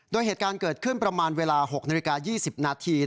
โดยเหตุการณ์เกิดขึ้นประมาณเวลา๖นาฬิกา๒๐นาที